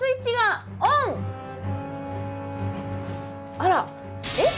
あらえっ？